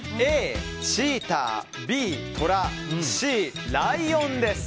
Ａ、チーターＢ、トラＣ、ライオンです。